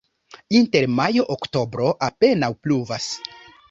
Inter majo-oktobro apenaŭ pluvas.